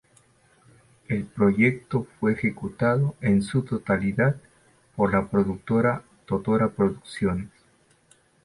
El proyecto fue ejecutado en su totalidad por la productora Totora Producciones.